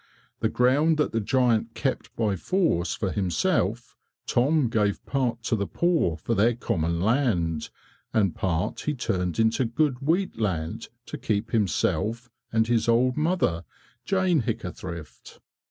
The ground that the giant kept by force for himself, Tom gave part to the poor for their common land, and part he turned into good wheat land to keep himself and his old mother, Jane Hickathrift.